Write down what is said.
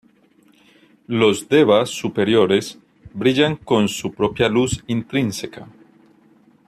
Los deva superiores brillan con su propia luz intrínseca.